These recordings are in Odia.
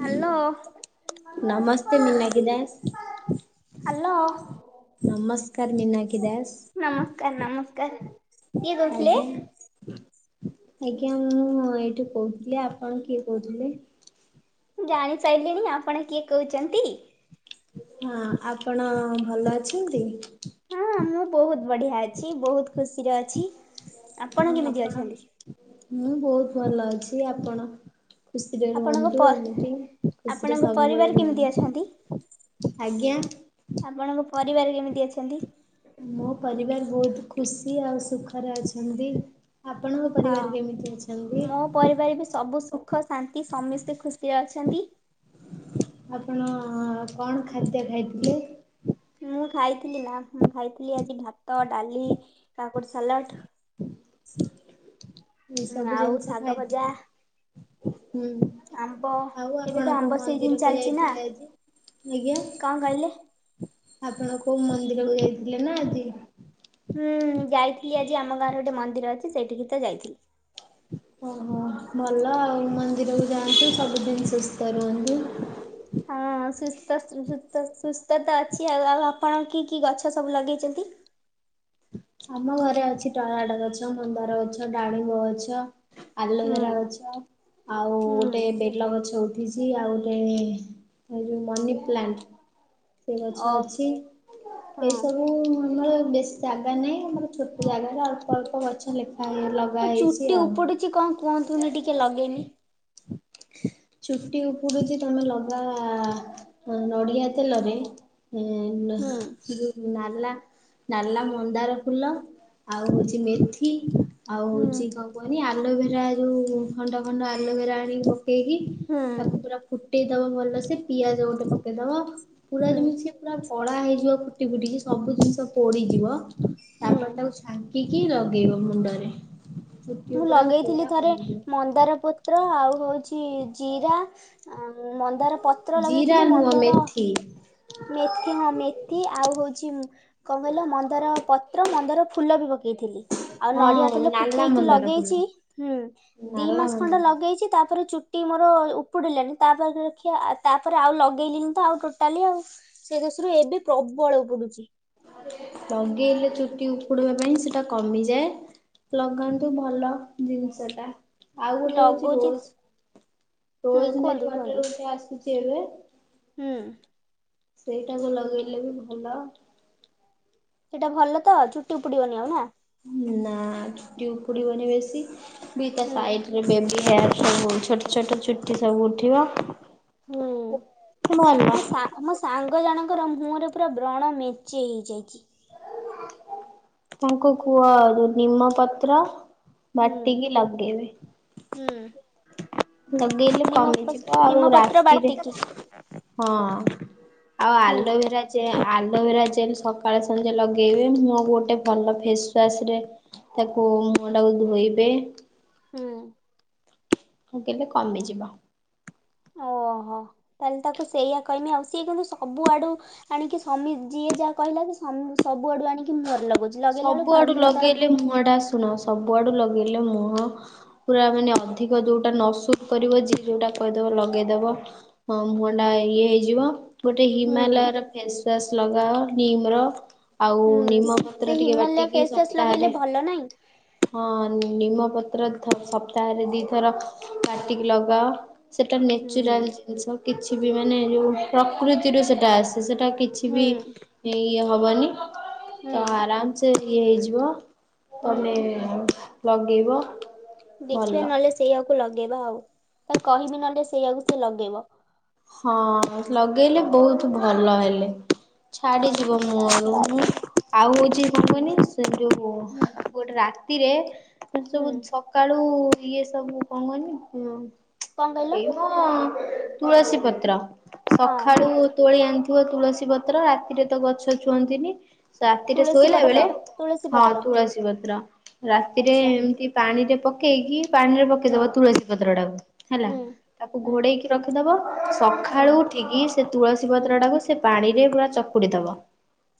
ହ୍ୟାଲୋ ନମସ୍ତେ ମିନାକ୍ଷୀ ଦାସ। ହ୍ୟାଲୋ ନମସ୍କାର ମୀନାକ୍ଷି ଦାସ। ନମସ୍କାର ନମସ୍କାର। କିଏ କହୁଥିଲେ? ଆଜ୍ଞା। ଆଜ୍ଞା ମୁଁ ଏଇଠୁ କହୁଥିଲି ଆପଣ କିଏ କହୁଥିଲେ? ଜାଣି ସାରିଲିଣି ଆପଣ କିଏ କହୁଛନ୍ତି? ହଁ ଆପଣ ଭଲ ଅଛନ୍ତି? ହଁ ମୁଁ ବହୁତ ବଢିଆ ଅଛି ବହୁତ ଖୁସିରେ ଅଛି। ଆପଣ କେମିତି ଅଛନ୍ତି? ମୁଁ ବହୁତ ଭଲ ଅଛି। ଆପଣ? ଖୁସିରେ ଆପଣଙ୍କ ପ ରୁହନ୍ତୁ ଏମିତି ଖୁସିରେ ଆପଣଙ୍କ ସବୁବେଳେ ପରିବାର କେମିତି ରୁହନ୍ତୁ। ଅଛନ୍ତି? ଆଜ୍ଞା। ଆପଣଙ୍କ ପରିବାର କେମିତି ଅଛନ୍ତି? ମୋ ପରିବାର ବହୁତ ଖୁସି ଆଉ ସୁଖରେ ଅଛନ୍ତି। ଆପଣଙ୍କ ହଁ ପରିବାର କେମିତି ଅଛନ୍ତି? ମୋ ପରିବାର ବି ସବୁ ସୁଖ ଶାନ୍ତି ସମସ୍ତେ ଖୁସିରେ ଅଛନ୍ତି। ଆପଣ କଣ ଖାଦ୍ୟ ଖାଇଥିଲେ? ମୁଁ ଖାଇଥିଲି ନା ମୁଁ ଖାଇଥିଲି ଆଜି ଭାତ ଡାଲି କାକୁଡି ସାଲାଟ୍। ଏସବୁ ଆଉ ଜିନିଷ ଶାଗ ଭଜା। ଖାଇଥିଲେ ହୁଁ। ଆମ୍ବ ଆଉ ଆପଣ ଏବେ ତ କୋଉ ଆମ୍ବ ସିଜିନ ମନ୍ଦିରକୁ ଚାଲିଛି ନା। ଯାଇଥିଲେ ଆଜି? ଆଜ୍ଞା। କଣ କହିଲେ? ଆପଣ କୋଉ ମନ୍ଦିର କୁ ଯାଇଥିଲେ ନା ଆଜି? ହୁଁ ଯାଇଥିଲି ଆଜି ଆମ ଗାଁରେ ଗୋଟେ ମନ୍ଦିର ଅଛି ସେଇଠିକି ତ ଯାଇଥିଲି। ଓହୋ ଭଲ ଆଉ ମନ୍ଦିରକୁ ଯାଆନ୍ତୁ ସବୁଦିନ ସୁସ୍ଥ ରୁହନ୍ତୁ। ହଁ ସୁସ୍ଥ ସୁସ୍ଥ ସୁସ୍ଥ ତ ଅଛି ଆଉ। ଆଉ ଆପଣ କି କି ଗଛ ସବୁ ଲଗେଇଛନ୍ତି? ଆମ ଘରେ ଅଛି ଟମାଟ ଗଛ ମନ୍ଦାର ଗଛ ଡାଳିମ୍ବ ଗଛ। ହୁଁ। ଆଲୋଭେରା ଗଛ ଆଉ ହୁଁ ଗୋଟେ ବେଲ ଗଛ ଉ ଛି ଆଉ ଗୋଟେ ଏ ଯୋଉ ମନି ପ୍ଲାଣ୍ଟ। ସେ ଅ ଗଛ ଅଛି ଏଇ ହଁ ସବୁ ଆମର ବେଶୀ ଜାଗା ନାହିଁ ଆମର ଛୋଟ ଜାଗାରେ ଅଳ୍ପ ଅଳ୍ପ ଗଛ ଲେ ଆଉ ଚୁଟି ଉପୁଡୁଛି କଣ କୁହନ୍ତୁନି ଟିକେ ଲଗେଇମି? [inaudible] ଚୁଟି ଉପୁଡୁଛି ତମେ ଲଗା ନଡିଆ ତେଲରେ ଉ ହୁଁ ହା ଟିକେ ନାଲା ନାଲା ମନ୍ଦାର ଫୁଲ ଆଉ ହୋଉଛି ମେଥି ଆଉ ହୁଁ ହଉଚି କଣ କୁଅନି ଆଲୋଭେରା ଯୋଉ ଖଣ୍ଡ ଖଣ୍ଡ ଆ ଆଲୋଭେରା ଆଣିକି ପକେଇକି ହୁଁ ତାକୁ ପୁରା ଫୁଟେଇ ଦବ ଭଲସେ ପିଆଜ ଗୋଟେ ପକେଇ ଦବ। ପୁରା ହୁଁ ଯେମିତି ସିଏ ପୁରା କଳା ହେଇଯିବ ଫୁଟି ଫୁଟିକି ସବୁ ଜିନିଷ ପୋଡିଯିବ ହୁଁ। ତାପରେ ତାକୁ ଛା କି କି ଲଗେଇବ ମୁଣ୍ଡରେ। ଚୁଟି ମୁଁ ଉପୁଡା ଲଗେଇଥିଲି ପୁରା ଥରେ କମିଯିବ ମନ୍ଦାର ପତ୍ର ଆଉ ହଉଚି ଜିରା। ଆଉ ମନ୍ଦାର ପତ୍ର ଜିରା ଲଗେଇଥିଲି ନୁହଁ ମନ୍ଦାର ମେଥି ମେଥି ହଁ ମେଥି ଆଉ ହଉଚି ଉଁ କଣ କହିଲ ମନ୍ଦାର ପତ୍ର ମନ୍ଦାର ଫୁଲ ବି ପକେଇଥିଲି ଆଉ ହଁ ନଡିଆ ତେଲ ନାଲା ଫୁଟେଇ ମନ୍ଦାର ଫୁଲ ହୁଁ ଦି ନାଲା ମାସ ଖଣ୍ଡେ ମନ୍ଦାର ଲଗେଇଛି ତାପରେ ଚୁ ଟି ମୋର ଉପୁଡିଲାଣି ତାପରେ ଦେଖିଆ ତାପରେ ଆଉ ଲଗେଇଲିନୀ ତ ଆଉ ଟୋଟାଲି ଆଉ। ସେ ଦୋଶରୁ ଏବେ ପ୍ରବଳ ଉପୁଡୁଚି। ଲଗେଇଲେ ଚୁଟି ଉପୁଡିବା ପାଇଁ ସେଟା କମିଯାଏ ଲଗାନ୍ତୁ ଭଲ ଜିନିଷ ଟା। ଆଉ ଗୋଟେ ହଉଛି ଲଗଉଛି ରୋଜ୍ ହୁଁ ରୋଜ୍ କୁହନ୍ତୁ ମେରୀ କୁହନ୍ତୁ ୱାଟର ଗୋଟେ ଆସୁଛି ଏବେ। ହୁଁ। ସେଇଟାକୁ ଲଗେଇଲେ ବି ଭଲ। ସେଇଟା ଭଲ ତ ଚୁଟି ଉପୁଡିବନି ଆଉ ନା? ନା ଚୁଟି ଉପୁଡିବନି ବେଶୀ ବି ତା ହୁଁ ସାଇଟ୍ ବେବି ହେୟାର ସବୁ ଛୋଟ ଛୋଟ ଚୁଟି ସବୁ ଉଠିବ। ଭଲ। ଆମ ସାଙ୍ଗ ଜଣଙ୍କର ମୁହଁରେ ପୁରା ବ୍ରଣ ମେଞ୍ଚେ ହେଇଯାଇଛି। ତାଙ୍କୁ କୁହ ଯୋଉ ନିମ ପତ୍ର। ହୁଁ ବାଟିକି ଲଗେଇବେ। ହୁଁ। ଲଗେଇଲେ ନିମ କମିଯିବ ଆଉ ନିମପତ୍ର ରାତିରେ ବାଟିକି ହଁ ଆଉ ହୁଁ ଆଲୋଭେରା ଜେ ଆଲୋଭେରା ଜେଲ୍ ସ ସକାଳେ ସଞ୍ଜେ ଲଗେଇବେ ମୁହଁ ଗୋଟେ ଭଲ ଫେସ୍ ୱାସ ରେ ତାକୁ ମୁହଁ ଟାକୁ ଧୋଇବେ। ହୁଁ। ଲଗେଇଲେ କମିଯିବ। ଓହୋ ତାହେଲେ ତାକୁ ସେଇଆ କଇମି ଆଉ ସିଏ କିନ୍ତୁ ସବୁଆଡୁ ଆଣିକି ସମୀ ଯିଏ ଯାହା କହିଲା କି ସ ସବୁଆଡୁ ଆଣିକି ମୁଁହରେ ଲଗଉଛି। ଲଗେଇଲା ବେଳୁ କଣ ସବୁଆଡୁ ମୁହଁ ତାର ଲଗେଇଲେ ମୁହଁ ଟା ଶୁଣ ସବୁଆଡୁ ଲଗେଇଲେ ମୁହଁ ପୁରା ମାନେ ଅଧିକ ଯୋଉଟା ନ ସୁଟ କରିବ ଯି ଯୋଉଟା କହିଦବ ଲଗେଇଦବ। ହଁ ମୁହଁ ଟା ଇଏ ହେଇଯିବ। ଗୋଟେ ହୁଁ ହିମାଲୟାର ଫେସ୍ ୱାସ ଲଗାଅ ଭିମ୍ ର ଆଉ ହୁଁ ନିମପ ସେ ତ୍ର ଟିକେ ହିମାଲୟ ବାଟିକି ଫେସ୍ ୱାସ୍ ଲଗେଇଲେ ସପ୍ତାହରେ ଭଲ ନାହିଁ ହଁ ନିମପତ୍ର ଥ ସପ୍ତାହରେ ଦିଥର କାଟିକି ଲଗାଅ। ସେଟା ହୁଁ ନେଚୁରାଲ ଜିନିଷ କିଛି ବି ମାନେ ଯୋଉ ପ୍ରକୃତିରୁ ସେଟା ଆସେ ସେଟା କି କିଛି ହୁଁ ବି ଇଏ ହବନି ହୁଁ ତ ହା ଆରାମ ସେ ଇଏ ହେଇଯିବ ହୁଁ ତମେ ଲଗେଇବ। ଦେଖିବା ଭଲ। ନହେଲେ ସେଇଆକୁ ଲଗେଇବା ଆଉ ତାକୁ କହିବି ନହେଲେ ସେଇଆକୁ ସିଏ ଲଗେଇବ। ହଁ ଲଗେଇଲେ ବହୁତ୍ ଭଲ ହେଲେ। ଓ ଛାଡିଯିବ ଆଚ୍ଛା ମୁଁହ ଆଚ୍ଛା ରୁ ମୁଁ ଆଉ ହଉଛି କଣ ହୁଁ କୁହନି ସେ ଯୋଉ। ହୁଁ ଗୋଟେ ରାତିରେ ସବୁ ହୁଁ ସକାଳୁ ଇଏ ସବୁ କଣ କୁହନି? କଣ କହିଲ ଏଇ ମ ତୁଳସୀ ପତ୍ର ହଁ ହଁ ସଖାଳୁ ତୋଳି ଆଣିଥିବ ତୁଳସୀ ପତ୍ର ରାତିରେ ତ ଗଛ ଛୁଅନ୍ତିନି। ରାତିରେ ତୁଳସୀ ଶୋଇଲା ପତ୍ର ବେଳେ ତୁଳସୀ ହଁ ପତ୍ର ତୁଳସୀ ପତ୍ର ରାତିରେ ଆଚ୍ଛା ଏମିତି। ପାଣିରେ ପକେଇକି ପାଣି ରେ ହୁଁ ପକେଇଦବ ତୁଳସୀ ପତ୍ର ଟାକୁ ହେଲା ହୁଁ ତାକୁ ହୁଁ ଘୋଡେଇକି ରଖିଦବ ହୁଁ ସକାଳୁ। ଉଠିକି ସେ ତୁଳସୀ ହୁଁ ପତ୍ର ଟାକୁ ସେ ପାଣିରେ ପୁରା ଚକୁଡି ଦବ।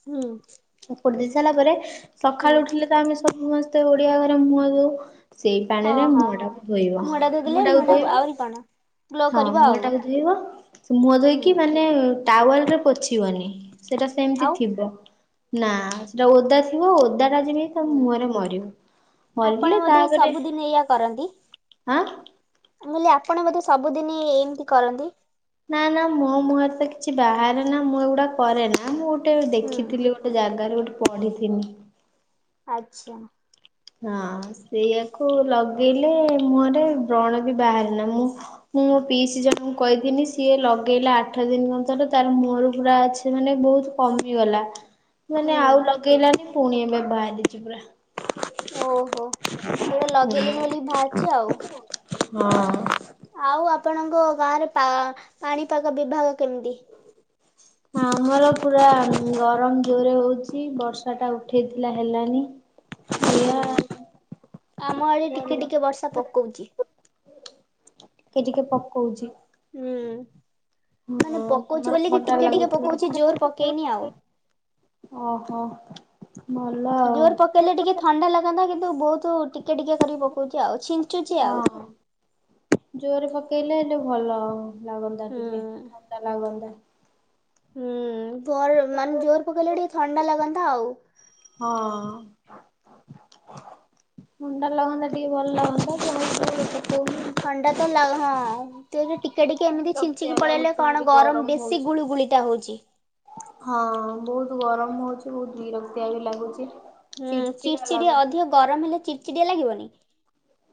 ହୁଁ। ଉପଡି ଦେଇ ସାରିଲା ପରେ ହୁଁ ସକାଳୁ ଉଠିଲେ ତ ଆମେ ସମସ୍ତେ ଓଡିଆ ଘରେ ମୁହଁ ଦଉ। ସେଇ ହଁ ପାଣିରେ ହଁ ମୁହ ହଁ ଟାକୁ ଧୋଇବ ମୁହଁ ଟା ମୁହ ଧୋଇଦେଲେ ଟାକୁ ମୁହଁ ଟା ଧୋଇବ ଆହୁରି କଣ ଗ୍ଲୋ ହଁ କରିବ ମୁହ। ଆଉ ହ ଧୋଇବ ମୁହଁ ଧୋଇକି ହୁଁ ମାନେ ଟାୱାଲରେ ପଛିବନି। ସେଟା ସେମିତି ଆଉ ଥିବ ନା ସେଟା ଓଦା ଥିବ ଓଦା ଟା ଯେମି ତମ ହୁଁ ମୁହଁରେ ମରିବୁ ଆପଣ ମରିଲେ ବୋଧେ ତାପରେ ସବୁଦିନ ଏଇଆ ଆଁ। ମୁକହିଲି ଆପଣ ବୋଧେ ସବୁଦିନ ଏମିତି କରନ୍ତି। ନା ନା ମୋ ମୁହଁରେ ତ କିଛି ବାହାରେନା ମୁଁ ଏଗୁଡା କରେ ନା ମୁଁ ଗୋଟେ ହୁଁ ଦେଖିଥିଲି ଗଟେ ଗୋଟେ ଜାଗାରେ ଗୋଟେ ପଢିଥିଲି। ଆଚ୍ଛା। ହଁ ସେଇଆକୁ ଲଗେଇଲେ ମୁହଁରେ ବ୍ରଣ ବି ବାହାର ନା ମୁଁ। ମୁଁ ମୋ ପିଇସି ଜଣଙ୍କୁ କହିଥିଲି ସିଏ ଲଗେଇଲା ଆଠ ଦିନ କଥର ତାର ମୁହଁରୁ ପୁରା ଅଛି ମାନେ ବହୁତ କମିଗଲା ମାନେ ହୁଁ ଆଉ ଲଗେଇଲାନି ପୁଣି ଏବେ ବାହାରିଚି ପୁରା। ଓହୋ ପୁରା ଲଗେଇଲିନି ବୋଲି ବାହାରିଛି ଆଉ। ହଁ। ଆଉ ଆପଣଙ୍କ ଗାଁରେ ପା ପାଣିପାଗ ବିଭାଗ କେମିତି? ହଁ ଆମର ପୁରା ଗରମ ଜୋରେ ହଉଚି ବର୍ଷା ଟା ଉଠେଇଥିଲା ହେଲାନି। ଏଇଆ ହୁଁ ଆମ ଆଡ ଟିକେ ଟିକେ ବର୍ଷା ପକଉଚି। ଟିକେ ଟିକେ ପକଉଚି। ହୁଁ। ମାନେ ପକଉଚି ତମର ବୋଲିକି ଥଣ୍ଡା ଟିକେ ଟିକେ ଲାଗୁଥିବ ପକଉଚି ଜୋର ପକେଇନି ଆଉ ଓହୋ ଭଲ ଆଉ ଜୋର ପକେଇଲେ ଟିକେ ଥଣ୍ଡା ଲାଗନ୍ତା କି କିନ୍ତୁ ବହୁତ ଟିକି ଟିକିଏ କରିକି ପକଉଚି ଆଉ ଛିଞ୍ଚୁଚି ଆଉ। ହଁ। ଜୋରେ ପକେଇଲେ ଏଲେ ଭଲ ଲାଗନ୍ତା ହୁଁ ଟିକେ ଥଣ୍ଡା ଲାଗନ୍ତା। ହୁଁର ମାନେ ଜୋର ପକେଇଲେ ଟିକେ ଥଣ୍ଡା ଲାଗନ୍ତା ଆଉ। ହଁ। ମୁଣ୍ଡା ଲାଗନ୍ତା ଟିକେ ଭଲ ଲାଗନ୍ତା [unintelligible] ଥଣ୍ଡା ତ ଲାଗ ହଁ। ତ ଏବେ ଟିକେ ଟିକିେ ଏମିତି ବିରକ୍ତିଆ ଛିଞ୍ଚିକି ପଳେଇଲେ ଲାଗୁଛି କଣ ଭାରି ଗରମ ବେଶୀ ହଉଛି। ଗୁଳୁଗୁଳିଟା ହଉଚି। ହଁ ବହୁତ ଗରମ ହଉଚି ବହୁତ ବିରକ୍ତିଆରି ଲାଗୁଚି। ହୁଁ ଚିଡ଼ଚିଡି ଅଧିକ ଗରମ ହେଲେ ଚିଡ଼ଚିଡିଆ ଲାଗିବନି।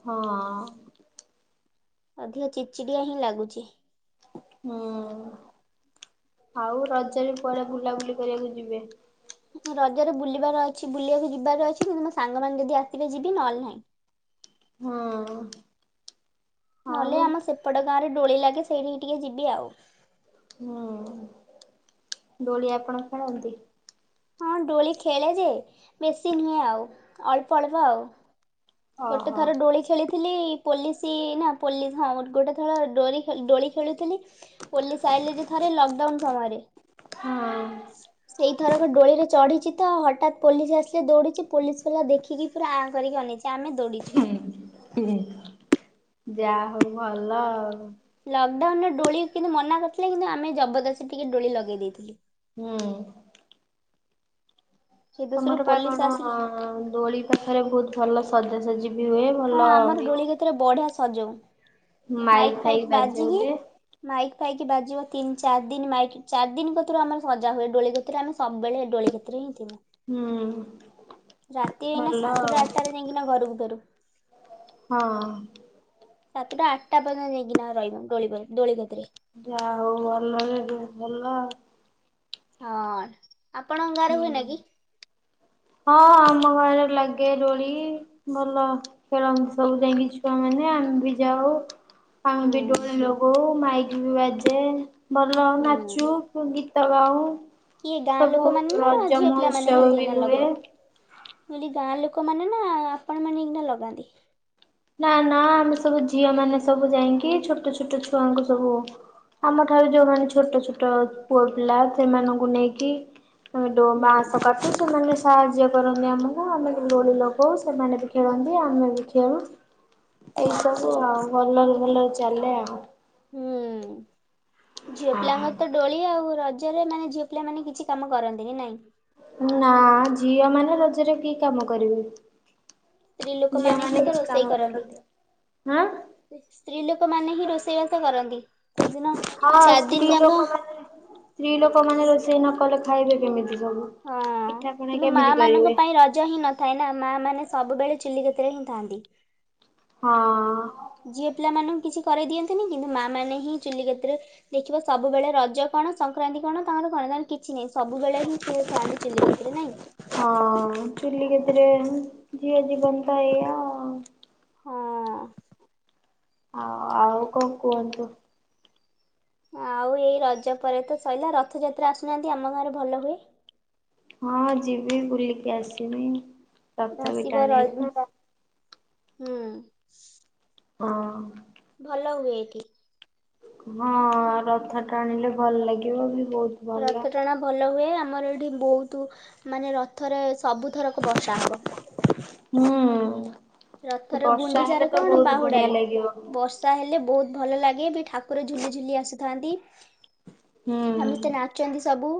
ହଁ। ଅଧିକ ଚିଚିଡିଆ ହିଁ ଲାଗୁଚି। ହୁଁ ଆଉ ରଜ ବି କୁଆଡ଼େ ବୁଲାବୁଲି କରିବାକୁ ଯିବେ? ରଜରେ ବୁଲିବାର ଅଛି ବୁଲିବାକୁ ଯିବାର ଅଛି କିନ୍ତୁ ମୋ ସାଙ୍ଗମାନେ ଯଦି ଆସିବେ ଯିବି ନହେଲେ ନାହିଁ। ହଁ। ଆଉ ନହେଲେ ଆମ ସେପଟ ଗାଁ ରେ ଦୋଳି ଲାଗେ ସେଇଠିକି ଟିକେ ଯିବି ଆଉ। ହୁଁ ଦୋଳି ଆପଣ ଖେଣନ୍ତି? ହଁ ଦୋଳି ଖେଳେ ଯେ ବେଶୀ ନୁହେଁ ଆଉ ଅଳ୍ପ ଅଳ୍ପ ଆଉ। ଗୋଟେ ଓହୋ। ଥର ଦୋଳି ଖେଳି ଥିଲି। ପୋଲିସି ନା ପୋଲିସ ହଁ ଗୋଟେ ଥଳ ଡୋଳି ଖେଳୁଥିଲି। ପୋଲିସ ଆଇଲେ ଯେ ଥରେ ଲକଡାଉନ ସମୟରେ ହଁ। [inaudible] ଏଇଥରକ ଦୋଳିରେ ଚଢ଼ିଚି ତ ହଠାତ୍ ପୋଲିସ ଆସିଲେ ଦୌଡ଼ିଛି ପୋଲିସ ବାଲା ଦେଖିକି ପୁରା ଆଁ କରିକି ଅନେଇଚି। ତ ଆମେ ଦୌଡ଼ିଚୂ। ହୁଁ ହୁଁ ଯାହା ହଉ ଭଲ ଆଉ। ଲକଡାଉନ ରେ ଡୋଳି କିନ୍ତୁ ମନା କରିଥିଲେ କିନ୍ତୁ ଆମେ ଜବରଦସ୍ତି ଟିକେ ଦୋଳି ଲଗେଇ ଦେଇେଇଥିଲୁ। ହୁଁ। ସେ ଦେଶରୁ ତମର ବା ପୋଲିସ କଣ ଆସିକି ଦୋଳି ପାଖରେ ବହୁତ ଭଲ ସଜାସଜି। ହୁଏ ହଁ ଭଲ ଆମର ହୁଏ। ଡୋଳି କତିରେ ବଢିଆ ସଜଉ ମାଇକ୍ ମାଇକ ଫାଇକ୍ ଫାଇକ ବାଜେ ବାଜିକି ବୋଧେ। ମାଇକ୍ ପାଇକି ବାଜିବ ତିନି ଚାରି ଦିନ ମାଇକ୍ ଚାରି ଦିନ କତୁରୁ ଆମର ସଜା ହୁଏ ଡୋଳି କତିରେ ଆମେ ସବୁବେଳେ ଡୋଳି। ଖଣିରେ ହିଁ ଥୀଲୁ ହୁଁ ରାତି ଏଇନା ଭଲ ସାତଟା ଆଉ ଆଠଟାରେ ଯାଇକିନା ଘରକୁ ଫେରୁ। ହଁ। ସାତଟା ଆଠଟା ପର୍ଯ୍ୟନ୍ତ ଯାଇକିନା ରହିବୁ ଡୋଳି ପରେ ଦୋଳି କତିରେ। ଯା ହଉ ଭଲରେ ଏ ଯୋଉ ଭଲ। ହଁ ଆପଣଙ୍କ ଗାଁରେ ହୁଁ। ହୁଏ ନା କି? ହଁ ଆମ ଗାଁ ରେ ଲାଗେ ଦୋଳି। ଭଲ ଖେଳନ୍ତି ସବୁ ଯାଇକି ଛୁଆମାନେ ଆମେ ବି ଯାଉ। ଆମେ ହୁଁ ବି ଦୋଳି ଲଗଉ ମାଇକ ବି ବାଜେ ଭଲ ହୁଁ ନାଚୁ ଗୀତ। ଗୀତ ଗାଉ କିଏ ଗାଁ ସବୁ ଲୋକମାନେ ନା ରଜ ଝିଅ ମହୋତ୍ସବ ବି ହୁଏ। ହେଇଠି ଗାଁ ଲୋକମାନେ ନା ଆପଣ ମାନେ ହେଇକିନା ଲଗାନ୍ତି। ନା ନା ଆମେ ସବୁ ଝିଅ ମାନେ ସବୁ ଯାଇକି ଛୋଟ ଛୋଟ ଛୁଆଙ୍କୁ ସବୁ। ଆମ ଠାରୁ ଯୋଉମାନେ ଛୋଟ ଛୋଟ ପୁଅ ପିଲା ସେମାନଙ୍କୁ ନେଇକି। ଆମେ ଡୋ ହୁଁ ବାଁସ କାଟୁ ମାନେ ସା ହାଯ୍ୟ କରନ୍ତି ଆମକୁ ଆମେ ବି ଦୋଳି ଲଗଉ ସେମାନେ ବି ଖେଳନ୍ତି ଆମେ ବି ଖେଳୁ। ଓ ଏଇ ସବୁ ଆଚ୍ଛା ଆଉ ଭଲରେ ଭଲରେ ଚାଲେ ଆଉ। ହୁଁ ଝିଅ ପିଲାଙ୍କ ର ତ। ଦୋଳି ଆଉ ରଜରେ ମାନେ ଝିଅ ପିଲା ମାନେ କିଛି କାମ କରନ୍ତିନି ନାଇଁ। ନା ଝିଅ ମାନେ ରଜରେ କି କାମ କରିବେ। ଝିଅ ଲୋକମାନେ ହିଁ ମାନେ ତ କିଛି ରୋଷେଇ କାମ କରନ୍ତି। କରନ୍ତିନି ହାଁ। ସ୍ତ୍ରୀ ଲୋକ ମାନେ ହିଁ ରୋଷେଇ ବାସ କରନ୍ତି ସେଦିନ ହଁ ଚାରି ସ୍ତ୍ରୀ ଦିନ ଯାକ। ଲୋକମାନେ ସ୍ତ୍ରୀ ଲୋକମାନେ ରୋଷେଇ ନ କଲେ ଖାଇବେ କେମିତି ସବୁ। ହଁ ପିଠା ପଣା କିନ୍ତୁ ମା କେମିତି ମାନଙ୍କ କରିବେ? ପାଇଁ ରଜ ହିଁ ନ ନ ଥାଏ ନା ମା ମାନେ ସୁବେଳେ ଚୁଲି କତିରେ ହିଁ ଥାଆନ୍ତି। ହଁ। ଝିଅ ପିଲାମାନାନଙ୍କୁ କିଛି କରାଇ ଦିଅନ୍ତିନି କିନ୍ତୁ ମା ମାନେ ହିଁ ଚୁଲି କତିରେ। ଦେଖିବ ସବୁବେଳେ ରଜ କଣ ସଂକ୍ରାନ୍ତି କଣ ତାଙ୍କର ପର୍ବ କିଛି ନାହିଁ ସବୁବେଳେ ହିଁ ସିଏ ଥାନ୍ତି ଚୁଲି କତିରେ ନାଇଁ। ହଁ ଚୁଲି କେତିରେ ଝିଅ ଜୀବନ ତ ଏଇ ଆଉ। ହଁ। ହଉ ଆଉ କଁ କୁହନ୍ତୁ। ଆଉ ଏଇ ରଜ ପରେ ତ ସଇଲା ରଥଯାତ୍ରା ଆସୁନାହାନ୍ତି ଆମ ଗାଁରେ ଭଲ ହୁଏ। ହଁ ଯିବି ବୁଲିକି ଆସବି ରଥ ବି ଆସିବ ର ଟାଣିବି। ହୁଁ। ହଁ। ଭଲ ହୁଏ ଏଠି। ହଁ ରଥ ଟାଣିଲେ ଭଲ ଲାଗିବ ବି ବହୁତ। ଭଲ। ରଥ ଟଣା। ଭଲ ହୁଏ ଆମର ଏଠି ବହୁତ ମାନେ ରଥରେ ସବୁଥରକ ବର୍ଷା ହବ। ହୁଁ ରଥରେ ବର୍ଷା ଗୁଣ୍ଡିଚାରେ ହେଲେ ତ କଣ ବହୁତ ବଢିଆ ବାହୁଡାରେ ଲାଗିବ। ବର୍ଷା ହେଲେ ବହୁତ ଭଲ ଲାଗେ ବି ଠାକୁର ଝୁଲି ଝୁଲି ଆସୁଥାନ୍ତି ସମସ୍ତେ ହୁଁ। ନାଚ। ନାଚନ୍ତି ସବୁ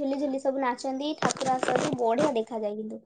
ଝୁଲି ଝୁଲି ସବୁ ନାଚନ୍ତି ଠାକୁର ଆସନ୍ତି ବଢିଆ ଦେଖାଯାଏ କିନ୍ତୁ।